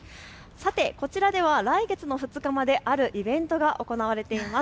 こちらでは来月の２日まであるイベントが行われています。